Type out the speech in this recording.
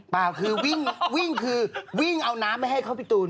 เปล่าคือวิ่งคือวิ่งเอาน้ำไปให้เขาพี่ตูน